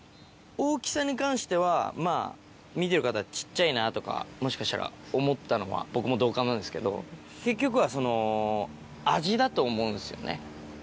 大きさに関しては、まあ、見てる方、ちっちゃいなとかもしかしたら思ったのは、僕も同感なんですけど、結局はその、味だと思うんですよね。